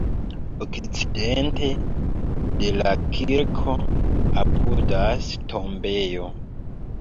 Okcidente de la kirko apudas tombejo.